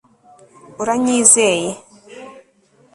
uranyizeye